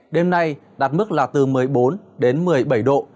đêm nay đạt mức là từ một mươi bốn đến một mươi bảy độ